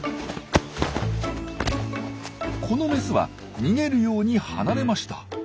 このメスは逃げるように離れました。